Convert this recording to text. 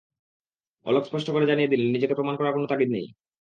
অলক স্পষ্ট করে জানিয়ে দিলেন, নিজেকে প্রমাণ করার কোনো তাগিদ নেই।